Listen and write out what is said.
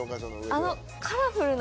あの。